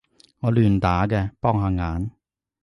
我亂打嘅，幫下眼